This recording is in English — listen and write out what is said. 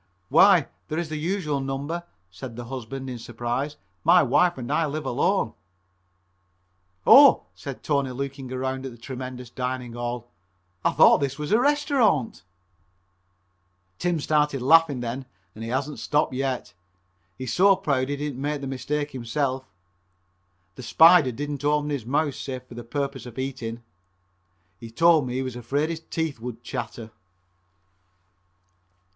"Why, there is the usual number," said the husband in surprise, "my wife and myself live alone." "Oh," said Tony, looking around at the tremendous dining hall, "I thought this was a restaurant." [Illustration: "'OH,' SAID TONY, 'I THOUGHT THIS WAS A RESTAURANT'"] Tim started laughing then, and he hasn't stopped yet. He's so proud he didn't make the mistake himself. The "Spider" didn't open his mouth save for the purpose of eating. He told me he was afraid his teeth would chatter.